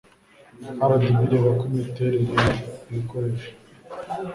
Rdb ireba ko imiterere y ibikoresho